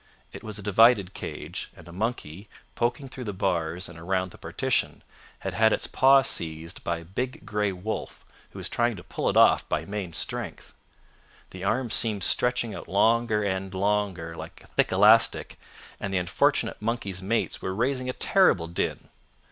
It was a divided cage, and a monkey, poking through the bars and around the partition, had had its paw seized by a big gray wolf who was trying to pull it off by main strength. The arm seemed stretching out longer end longer like a thick elastic, and the unfortunate monkey's mates were raising a terrible din.